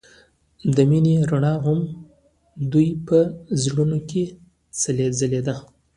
د مینه رڼا هم د دوی په زړونو کې ځلېده.